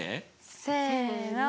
せの。